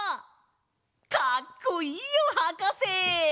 かっこいいよはかせ！